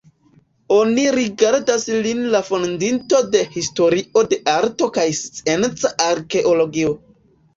Oni rigardas lin la fondinto de historio de arto kaj scienca arkeologio.